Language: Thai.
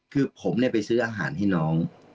คือผมไปซื้ออาหารให้น้อง